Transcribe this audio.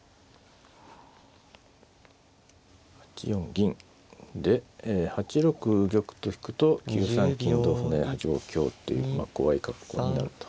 ８四銀で８六玉と引くと９三金同歩成８五香っていう怖い格好になると。